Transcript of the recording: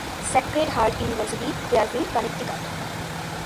Sacred Heart University, Fairfield, Connecticut.